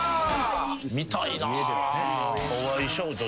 見たいな。